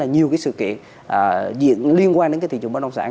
nhiều sự kiện liên quan đến thị trường bất động sản